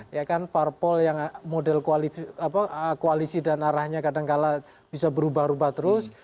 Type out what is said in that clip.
ya kan parpol yang model koalisi dan arahnya kadangkala bisa berubah ubah terus